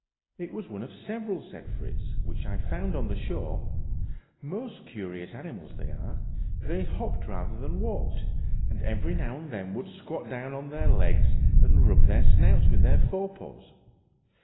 "It was one of several," said Fritz, "which I found on the shore; most curious animals they are; they hopped rather than walked, and every now and then would squat down on their legs and rub their snouts with their fore paws.